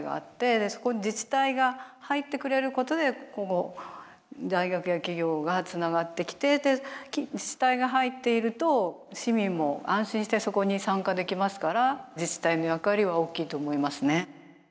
でそこに自治体が入ってくれることでこう大学や企業がつながってきてで自治体が入っていると市民も安心してそこに参加できますから自治体の役割は大きいと思いますね。